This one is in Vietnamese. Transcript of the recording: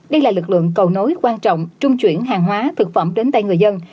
đây là lực lượng cầu nối quan trọng trung chuyển hàng hóa thực phẩm đến tay người dân